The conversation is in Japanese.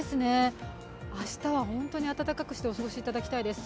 明日は本当に温かくしてお過ごしいただきたいです。